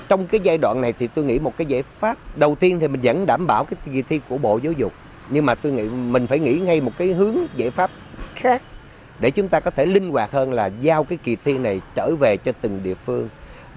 trong cái giai đoạn này thì tôi nghĩ một cái giải pháp đầu tiên thì mình vẫn đảm bảo cái kỳ thi của bộ giáo dục nhưng mà tôi nghĩ mình phải nghĩ ngay một cái hướng giải pháp khác để chúng ta có thể linh hoạt hơn là giao cái kỳ thi này trở về cho từng địa phương